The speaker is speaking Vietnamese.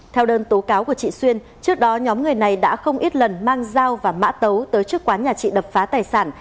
theo đơn tố cáo của chị xuyên trước đó nhóm người này đã không ít lần mang dao và mã tấu tới trước quán nhà chị đập phá tài sản